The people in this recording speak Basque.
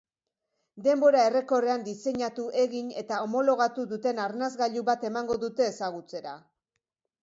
Denbora errekorrean diseinatu, egin eta homologatu duten arnasgailu bat emango dute ezagutzera.